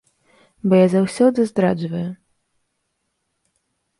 Бо я заўсёды здраджваю.